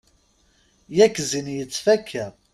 Yak zzin yettfakka.